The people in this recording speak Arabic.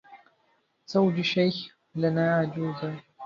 زوج شيخ لنا عجوزا